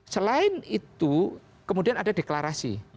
selain itu kemudian ada deklarasi